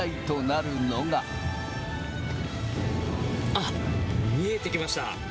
あっ、見えてきました。